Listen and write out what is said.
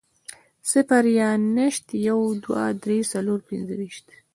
صفر يا نشت, يو, دوه, درې, څلور, پنځه